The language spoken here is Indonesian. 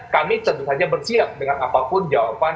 kami tentu saja bersiap dengan apapun jawaban